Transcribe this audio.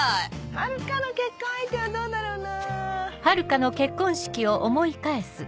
遥の結婚相手はどうだろうなぁうん。